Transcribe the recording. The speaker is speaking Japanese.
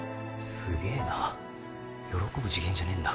すげえな喜ぶ次元じゃねえんだ